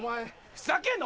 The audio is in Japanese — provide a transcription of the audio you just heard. ふざけんな！